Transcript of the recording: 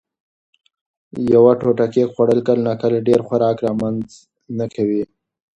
یوه ټوټه کېک خوړل کله ناکله ډېر خوراک رامنځ ته کوي.